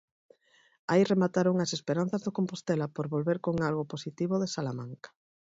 Aí remataron as esperanzas do Compostela por volver con algo positivo de Salamanca.